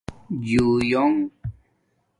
جیونگ